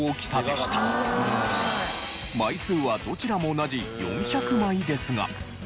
枚数はどちらも同じ４００枚ですが。